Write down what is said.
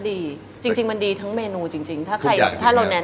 นี่ดำทั้งตัวเลยนะ